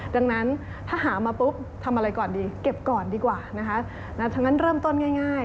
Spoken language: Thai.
ดังนั้นถ้าหามาปุ๊บทำอะไรก่อนดีเก็บก่อนดีกว่านะคะถ้างั้นเริ่มต้นง่าย